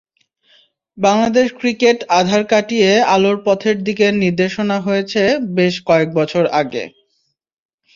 Bangladesh cricket আঁধার কাটিয়ে আলোর পথের দিক নির্দেশনা হয়েছে বেশ কয়েক বছর আগে।